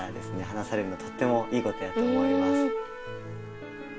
話されるのとってもいいことやと思います。